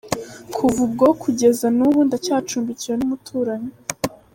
Kuva ubwo kugeza n’ubu ndacyacumbikiwe n’umuturanyi.